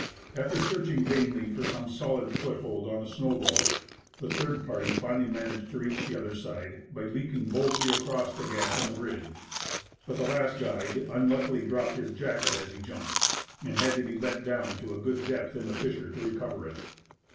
After searching vainly for some solid foothold on the snow vault, the third party finally managed to reach the other side by leaping boldly across the gap in the bridge. But the last guide unluckily dropped his jacket as he jumped, and had to be let down to a good depth in the fissure to recover it.